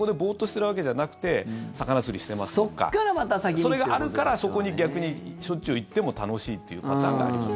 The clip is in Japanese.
それがあるからそこに逆にしょっちゅう行っても楽しいというパターンがあります。